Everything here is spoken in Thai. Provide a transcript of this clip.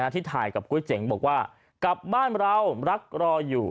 ที่ถ่ายกับก๋วยเจ๋งบอกว่ากลับบ้านเรารักรออยู่